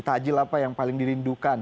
takjil apa yang paling dirindukan